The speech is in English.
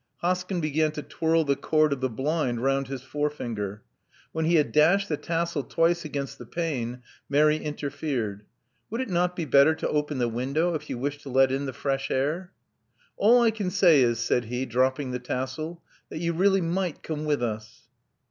Hoskyn began to twirl the cord of the blind round his forefinger. When he had dashed the tassel twice against the pane, Mary interfered. "Would it not be better to open the window if you wish to let in the fresh air?" "All I can say is," said he, dropping the tassel, "that you really might come with us."